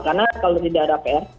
karena kalau tidak ada prt